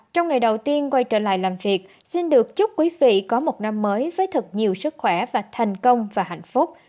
trong ngày đầu tiên quay trở lại làm việc xin được chúc quý vị có một năm mới với thật nhiều sức khỏe và thành công và hạnh phúc